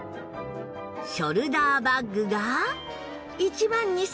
ショルダーバッグが１万２４００円